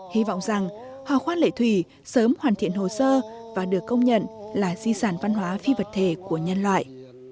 hy vọng rằng hòa khoa lệ thủy sớm hoàn thiện hồ sơ và được công nhận là di sản văn hóa phi vật thể của nhân loại